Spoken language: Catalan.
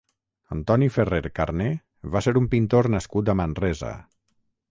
Antoni Ferrer Carné va ser un pintor nascut a Manresa.